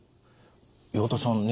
岩田さんね